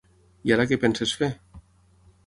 I ara què penses fer?